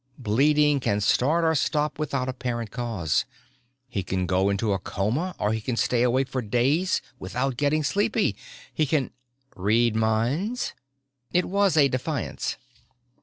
Bleeding can start or stop without apparent cause. He can go into a coma or he can stay awake for days without getting sleepy. He can " "Read minds?" It was a defiance.